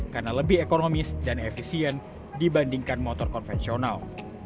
karena lebih ekonomis dan efisien dibandingkan motor konvensional